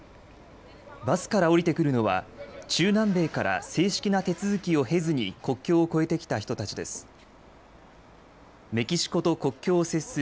バスから降りてくるのは中南米から正式な手続きを経ずに国境を越えてきた人たちです。